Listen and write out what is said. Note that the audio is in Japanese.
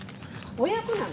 親子なの。